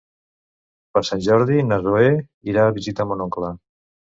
Per Sant Jordi na Zoè irà a visitar mon oncle.